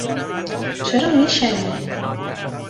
چرا میشلی؟